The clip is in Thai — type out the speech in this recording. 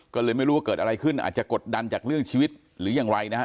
ก็เลยไม่รู้ว่าเกิดอะไรขึ้นอาจจะกดดันจากเรื่องชีวิตหรืออย่างไรนะครับ